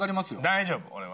大丈夫俺は。